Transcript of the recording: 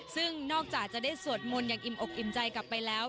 ซึ่งนอกจากจะได้สวดมนต์อย่างอิ่มอกอิ่มใจกลับไปแล้ว